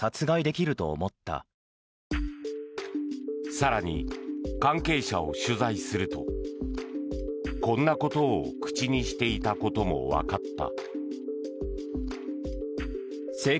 更に、関係者を取材するとこんなことを口にしていたこともわかった。